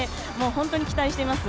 本当に期待しています。